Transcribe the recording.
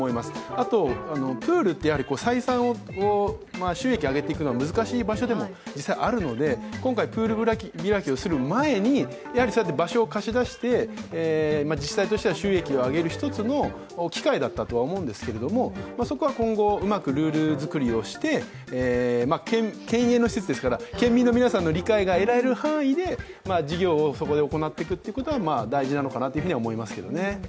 あと、プールって収益を上げていくのが難しい場所でもあるので今回プール開きをする前に、そうやって場所を貸し出して、自治体としては収益を上げる一つの機会だったと思いますけどそこは今後、うまくルール作りをして、県営の施設ですから県民の皆さんの理解が得られる範囲で事業をそこで行っていくということが大事なのかなとは思いますけどね。